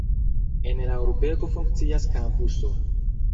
En la urbego funkcias kampuso.